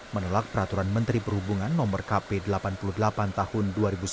menolak peraturan menteri perhubungan no kp delapan puluh delapan tahun dua ribu sembilan belas